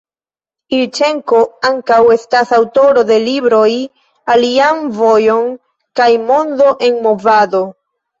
Ilĉenko ankaŭ estas aŭtoro de libroj «Alian vojon» kaj «Mondo en movado».